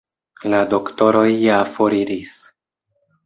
La doktoroj ja foriris.